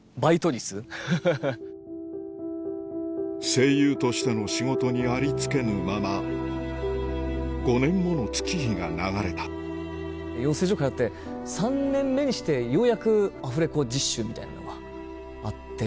声優としての仕事にありつけぬまま５年もの月日が流れた養成所通って３年目にしてようやくアフレコ実習みたいなのがあって。